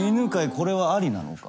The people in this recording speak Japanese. これはありなのか？